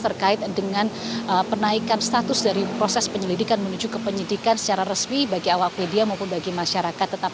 terkait dengan penaikan status dari proses penyelidikan menuju ke penyidikan secara resmi bagi awak media maupun bagi masyarakat